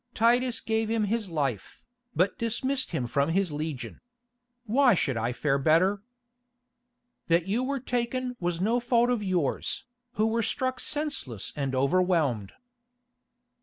Titus gave him his life, but dismissed him from his legion. Why should I fare better?" "That you were taken was no fault of yours, who were struck senseless and overwhelmed."